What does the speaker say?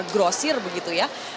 pasar grosir begitu ya